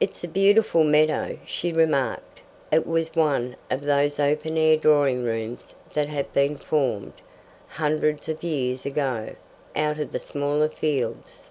"It's a beautiful meadow," she remarked. It was one of those open air drawing rooms that have been formed, hundreds of years ago, out of the smaller fields.